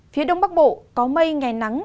phía đông bắc bộ có mây ngày nắng